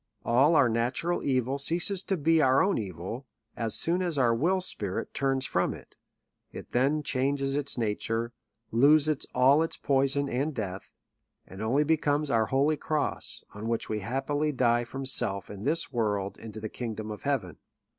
All our natural evil ceases to be our own evil, as soon as our will spirit turns from it : it then changes its nature, loses all its poison and death, and only be comes our holy cross, on which we happily die from self and this world into the kingdom of heaven.